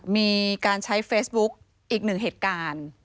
มีการใช้เฟซบุ๊กอีกหนึ่งเหตุการณ์